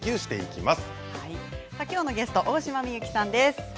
きょうのゲストは大島美幸さんです。